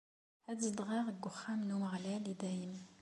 Ad zedɣeɣ deg uxxxam n Umeɣlal, i dayem.